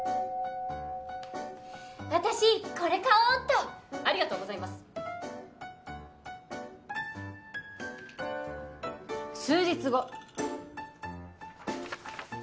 「私これ買おおーっと」「ありがとうございます！」「数日後」